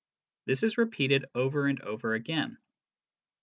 This is repeated over and over again.